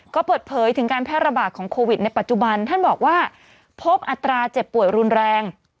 ก็เปิดเผยถึงการแพร่ระบาดของโควิดในปัจจุบันท่านบอกว่าพบอัตราเจ็บป่วยรุนแรง